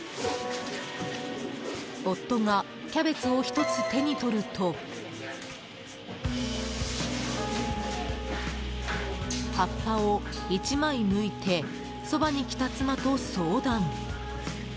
夫がキャベツを１つ手に取ると葉っぱを１枚むいてそばに来た妻と相談。